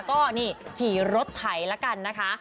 ก็นี่ขี่รถไถละกันนะคะ